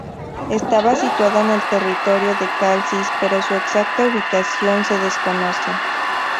Estaba situada en el territorio de Calcis, pero su exacta ubicación se desconoce.